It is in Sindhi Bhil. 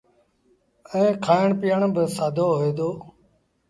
ائيٚݩ کآڻ پيٚئڻ با سآدو هوئي دو۔